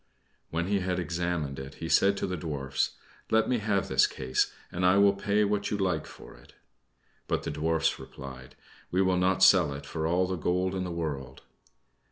When he had examined it, he said to the Dwarfs, "Let me have this case, and I will pay what you like for it." But the Dwarfs replied, "We will not sell it for all the gold in the world."